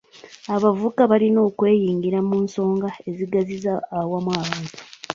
Abavubuka balina okwenyigira mu nsonga ezigasiza awamu abantu.